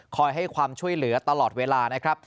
ให้ความช่วยเหลือตลอดเวลานะครับ